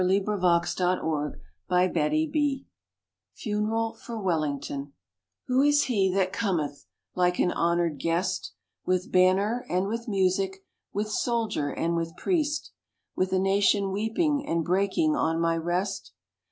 William Howard Russell FUNERAL OF WELLINGTON Who is he that cometh, like an honour'd guest, With banner and with music, with soldier and with priest, With a nation weeping, and breaking on my rest?